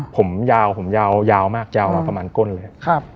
ผมยาวผมยาวมากยาวมาประมาณก้นเลย